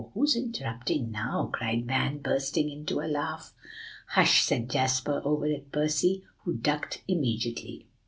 who's interrupting now?" cried Van, bursting into a laugh. "Hush!" said Jasper, over at Percy, who ducked immediately.